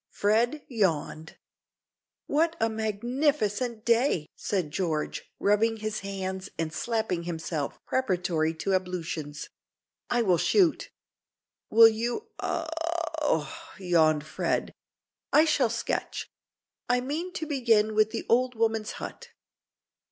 Fred yawned. "What a magnificent day!" said George, rubbing his hands, and slapping himself preparatory to ablutions; "I will shoot." "Will you a ow?" yawned Fred: "I shall sketch. I mean to begin with the old woman's hut."